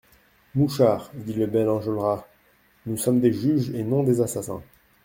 Mouchard, dit le bel Enjolras, nous sommes des juges et non des assassins.